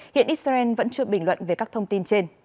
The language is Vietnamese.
hiện israel vẫn chưa bình luận về các thông tin trên